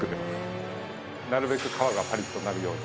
なるべく皮がパリッとなるように。